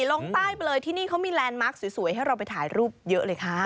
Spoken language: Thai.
ลงใต้ไปเลยที่นี่เขามีแลนดมาร์คสวยให้เราไปถ่ายรูปเยอะเลยค่ะ